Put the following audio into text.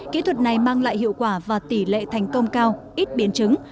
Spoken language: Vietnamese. kỹ thuật này mang lại hiệu quả và tỷ lệ thành công cao ít biến chứng